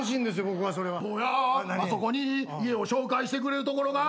「坊やあそこに家を紹介してくれるところが」